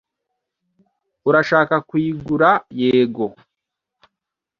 "Urashaka kuyigura?" "Yego."